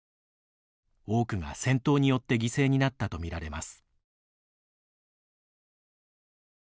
多くが戦闘によって犠牲になったとみられます。